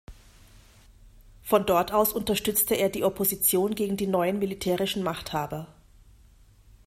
Von dort aus unterstützte er die Opposition gegen die neuen militärischen Machthaber.